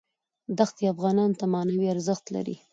دښتې افغانانو ته معنوي ارزښت لري.